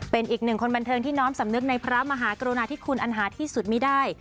เป็นอีกหนึ่งคนบันเทิงที่น้อมสำนึกในพระมหากรุณาธิคุณอันหาที่สุดไม่ได้